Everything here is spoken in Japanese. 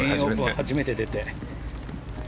初めて出て。